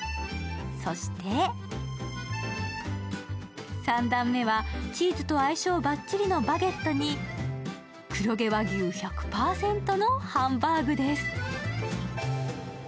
そして、３段目はチーズと相性バッチリのバゲットに黒毛和牛１００％のハンバーグです。